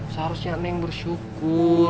seharusnya neng bersyukur